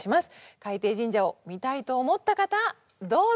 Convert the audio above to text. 「海底神社」を見たいと思った方どうぞ！